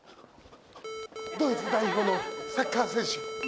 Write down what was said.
ドイツ代表のサッカー選手。